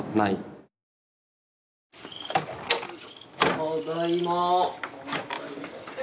ただいま。